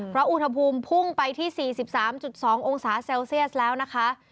เพราะอุณหภูมิพุ่งไปที่๔๓๒องศาเซลเซียสแล้วนะคะ